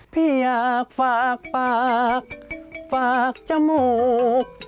พี่อยากฝากปากฝากจมูก